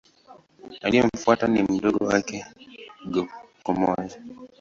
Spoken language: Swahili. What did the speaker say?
Aliyemfuata ni mdogo wake Go-Komyo.